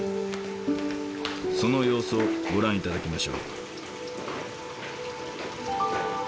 その様子をご覧頂きましょう。